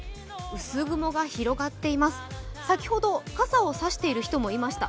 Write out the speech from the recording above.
薄雲が広がっています、先ほど傘を差している人もいました